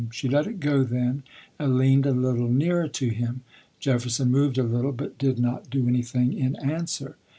She let it go then and leaned a little nearer to him. Jefferson moved a little but did not do anything in answer.